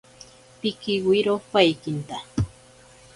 Pikiwiro paikinta.